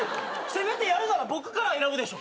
せめてやるなら僕から選ぶでしょ。